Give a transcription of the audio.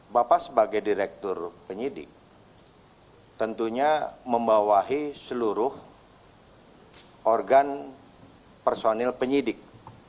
bapak sebagai direktur penyidik tentunya membawahi seluruh organ personil penyidik